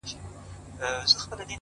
د نورو مرسته انسان بډای کوي.!